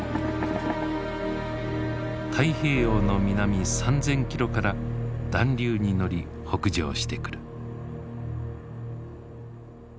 太平洋の南３，０００キロから暖流に乗り北上してくる。